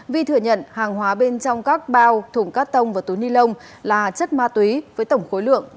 vi thừa nhận hàng hóa bên trong các bao thùng cắt tông và túi ni lông là chất ma túy với tổng khối lượng